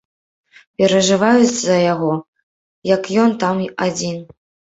Перажываюць за яго, як ён там адзін.